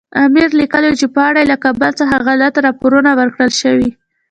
امیر لیکلي وو چې په اړه یې له کابل څخه غلط راپورونه ورکړل شوي.